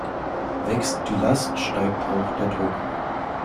Wächst die Last, steigt auch der Druck.